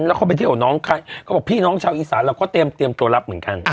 แล้วเขาไปเที่ยวน้องใครเขาบอกพี่น้องชาวอีสานเราก็เตรียมตัวรับเหมือนกัน